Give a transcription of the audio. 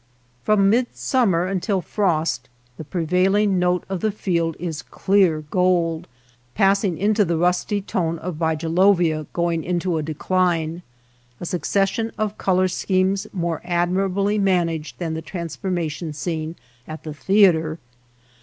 From midsummer until frost the pre vailing note of the field is clear gold, pass ing into the rusty tone of bigelovia going 135 .'^c*'" MY NEIGHBOR S FIELD into a decline, a succession of color schemes more admirably managed than the transformation scene at the theatre.